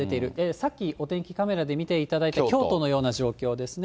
さっきお天気カメラで見ていただいた京都のような状況ですね。